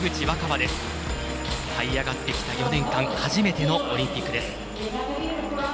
はい上がってきた４年間初めてのオリンピックです。